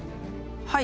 はい。